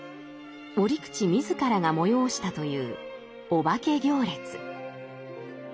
折口自らが催したというお化け行列。